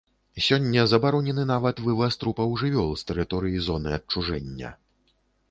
Сёння забаронены нават вываз трупаў жывёл з тэрыторыі зоны адчужэння.